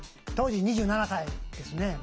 当時２７歳ですね。